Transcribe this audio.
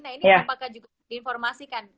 nah ini apakah juga diinformasikan